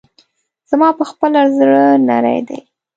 زما پخپله زړه نری دی.